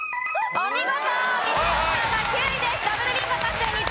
お見事！